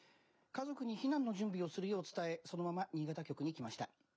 家族に避難の準備をするよう伝えそのまま新潟局に来ました。